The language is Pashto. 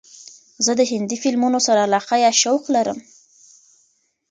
زه د هندې فیلمونو سره علاقه یا شوق لرم.